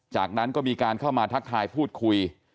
จากนั้นก็มีการเข้ามาทักทายพูดคุย